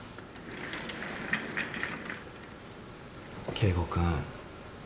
圭吾君。